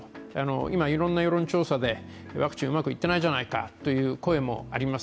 今、いろんな世論調査でワクチンうまくいってないじゃないかという声もあります。